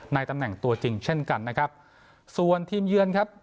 ตำแหน่งตัวจริงเช่นกันนะครับส่วนทีมเยือนครับ